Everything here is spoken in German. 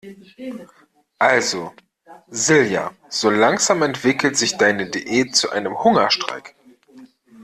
Also Silja, so langsam entwickelt sich deine Diät zu einem Hungerstreik.